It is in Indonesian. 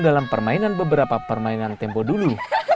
dalam permainan beberapa permainan tempo dulu